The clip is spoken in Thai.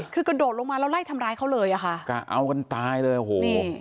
คือกระโดดลงมาแล้วไล่ทำร้ายเขาเลยอ่ะค่ะกะเอากันตายเลยโอ้โห